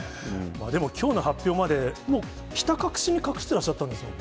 でもきょうの発表まで、もうひた隠しに隠してらっしゃったんですよね。